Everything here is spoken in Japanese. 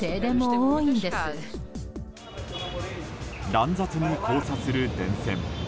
乱雑に交差する電線。